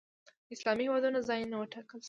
اسلامي هېوادونو ځای نه و ټاکل شوی